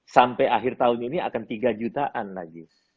sampai akhir tahun ini akan tiga jutaan lagi